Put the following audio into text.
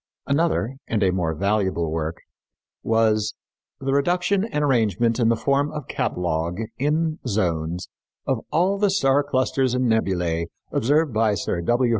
Another, and a more valuable work, was _The Reduction and Arrangement in the Form of Catalogue, in Zones, of All the Star Clusters and Nebulæ Observed by Sir W.